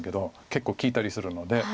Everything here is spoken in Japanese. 結構利いたりするので。